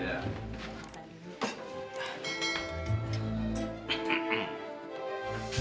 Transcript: ada yang ayah mau bicarakan sama kamu